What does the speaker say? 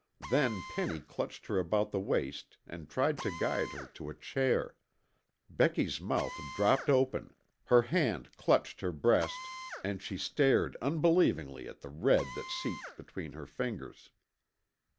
Then Penny clutched her about the waist and tried to guide her to a chair. Becky's mouth dropped open, her hand clutched her breast, and she stared unbelievingly at the red that seeped between her fingers.